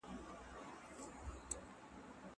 کېدای سي ځواب لنډ وي!!